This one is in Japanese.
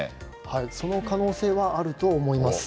その可能性はあると思います。